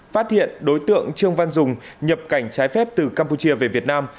phát hiện đối tượng trương văn dùng nhập cảnh trái phép từ campuchia về việt nam